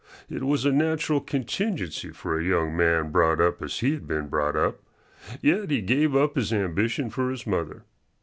It was a natural contingency for a young man brought up as he had been brought up. Yet he gave up his ambition for his mother.